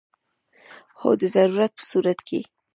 هو، د ضرورت په صورت کې